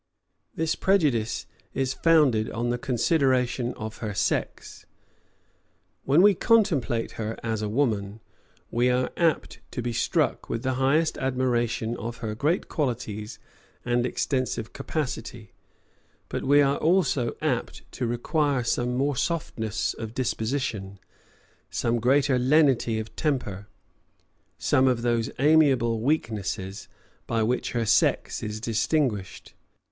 This prejudice is founded on the consideration of her sex. When we contemplate her as a woman, we are apt to be struck with the highest admiration of her great qualities and extensive capacity; but we are also apt to require some more softness of disposition, some greater lenity of temper, some of those amiable weaknesses by which her sex is distinguished.